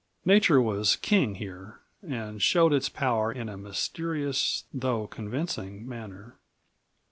Nature was king here and showed its power in a mysterious, though convincing manner.